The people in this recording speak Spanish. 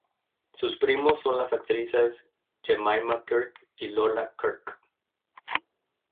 Sus primos son las actrices Jemima Kirke y Lola Kirke.